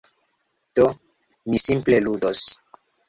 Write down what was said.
Do, mi simple ludos.